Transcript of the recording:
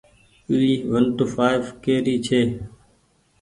اي ونٽو ڦآئڦ ڪي ري ڇي۔